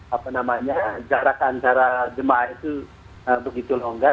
apa namanya jarak antara jemaah itu begitu longgar